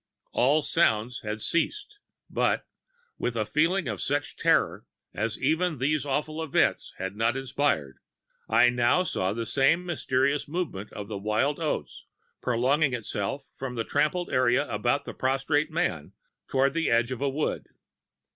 All sounds had ceased, but, with a feeling of such terror as even these awful events had not inspired, I now saw the same mysterious movement of the wild oats prolonging itself from the trampled area about the prostrate man toward the edge of a wood.